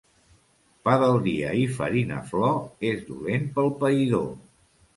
Pa del dia i farina flor és dolent pel païdor.